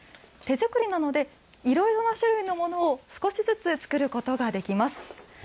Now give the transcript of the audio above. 手作りなので、いろいろな種類のものを少しずつ作ることができます。